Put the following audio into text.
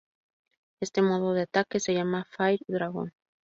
Este modo de ataque se llama "Fire Dragon".